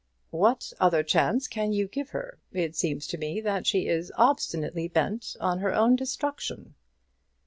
"What other chance can you give her? It seems to me that she is obstinately bent on her own destruction."